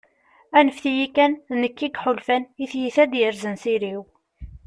anfet-iyi kan, d nekk i yeḥulfan, i tyita i d-yerzan s iri-w